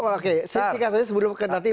oke sisi katanya sebelum ke nanti